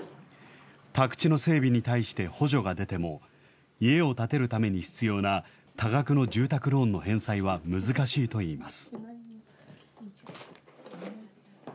宅地の整備に対して補助が出ても、家を建てるために必要な多額の住宅ローンの返済は難しいといいます。